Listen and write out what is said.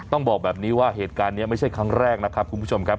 ต้องบอกแบบนี้ว่าเหตุการณ์นี้ไม่ใช่ครั้งแรกนะครับคุณผู้ชมครับ